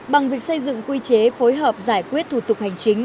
bằng việc xây dựng quy chế phối hợp giải quyết thủ tục hành chính